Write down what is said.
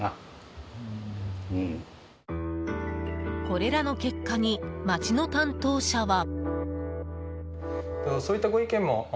これらの結果に町の担当者は。